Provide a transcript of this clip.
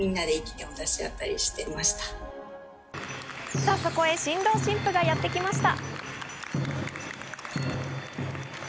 さぁ、そこへ新郎新婦がやってきました。